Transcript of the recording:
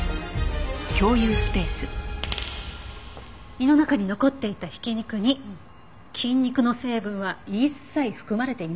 胃の中に残っていた挽き肉に菌肉の成分は一切含まれていませんでした。